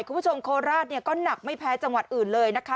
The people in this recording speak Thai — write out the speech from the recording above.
คุณผู้ชมโคลราศก็หนักไม่แพ้จังหวัดอื่นเลยนะคะ